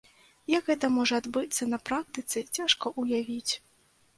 Як гэта можа адбыцца на практыцы, цяжка ўявіць.